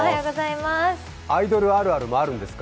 アイドルあるあるもあるんですか？